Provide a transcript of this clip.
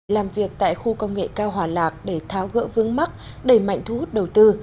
làm việc tại khu công nghệ cao hòa lạc để tháo gỡ vướng mắt đẩy mạnh thu hút đầu tư